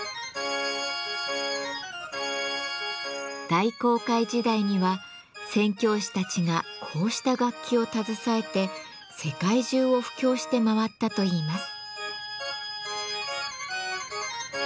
大航海時代には宣教師たちがこうした楽器を携えて世界中を布教して回ったといいます。